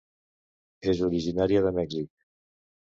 És originària de Mèxic.